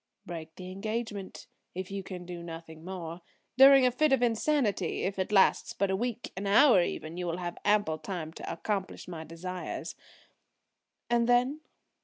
"Break the engagement, if you can do nothing more. During a fit of insanity, if it lasts but a week, an hour even, you will have ample time to accomplish my desires." "And then?"